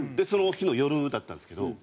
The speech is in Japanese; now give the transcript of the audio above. その日の夜だったんですけど